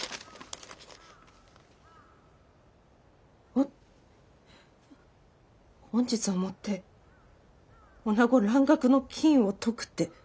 ほ本日をもって「女子蘭学の禁」を解くって。